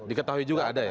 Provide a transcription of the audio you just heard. diketahui juga ada ya